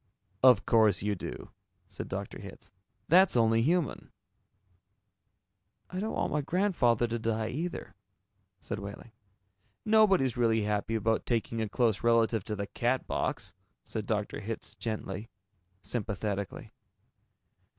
"Of course you do," said Dr. Hitz. "That's only human." "I don't want my grandfather to die, either," said Wehling. "Nobody's really happy about taking a close relative to the Catbox," said Dr. Hitz gently, sympathetically.